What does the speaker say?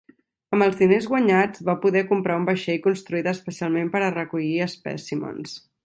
Amb els diners guanyats va poder comprar un vaixell construït especialment per a recollir espècimens.